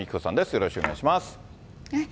よろしくお願いします。